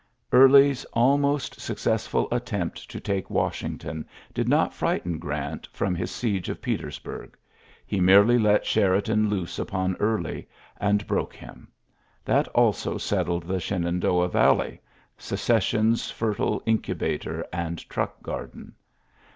Early's almost successful attempt to take Washington did not frighten Grant from his siege of Petersburg. He merely let Sheridan loose upon Early, and broke him. That also settled the Shenandoah Valley, Secession's fertile incubator and tmck garden.